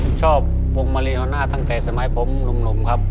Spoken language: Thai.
ผมชอบพวงมาลัยเอาหน้าตั้งแต่สมัยผมหนุ่มครับ